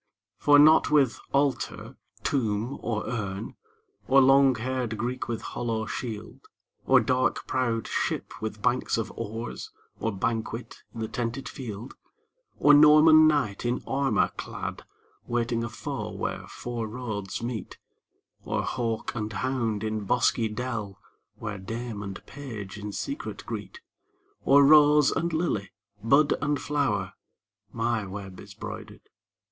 For not with altar, tomb, or urn, Or long haired Greek with hollow shield, Or dark prowed ship with banks of oars, Or banquet in the tented field; Or Norman knight in armor clad, Waiting a foe where four roads meet; Or hawk and hound in bosky dell, Where dame and page in secret greet; Or rose and lily, bud and flower, My web is broidered.